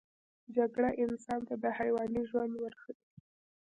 جګړه انسان ته د حیواني ژوند ورښيي